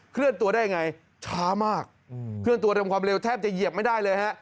เคลื่อนตัวได้ยังไงช้ามากเคลื่อนตัวเร็วความเร็วแทบจะเหยียบไม่ได้เลยฮะ